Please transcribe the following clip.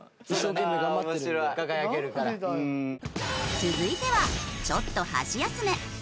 続いてはちょっと箸休め。